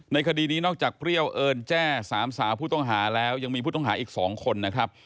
คดีนี้นอกจากเปรี้ยวเอิญแจ้สามสาวผู้ต้องหาแล้วยังมีผู้ต้องหาอีก๒คนนะครับ